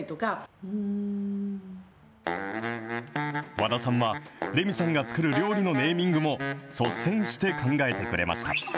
和田さんは、レミさんが作る料理のネーミングも率先して考えてくれました。